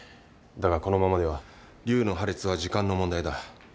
だがこのままでは瘤の破裂は時間の問題だ。